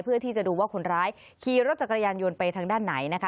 เพื่อที่จะดูว่าคนร้ายขี่รถจักรยานยนต์ไปทางด้านไหนนะคะ